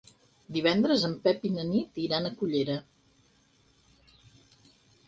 Divendres en Pep i na Nit aniran a Cullera.